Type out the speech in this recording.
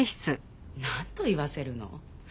何度言わせるの？